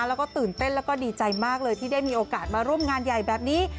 แล้วก็ตื่นเต้นแล้วก็ดีใจมากเลยที่ได้มีโอกาสมาร่วมงานใหญ่แบบนี้